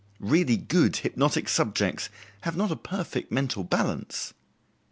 Really good hypnotic subjects have not a perfect mental balance.